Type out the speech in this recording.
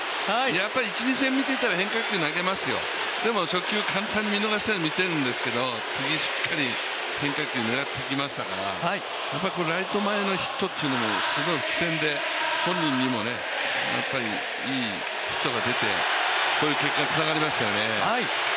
やっぱり見ていると変化球投げますよ、でも初球簡単に投げ出して次、しっかり変化球狙ってきましたからライト前のヒットというのも苦戦で本人にもいいヒットが出て、こういう結果につながりましたね。